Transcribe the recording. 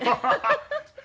ハハハハ。